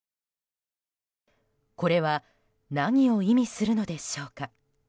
これは何を意味するのでしょうか。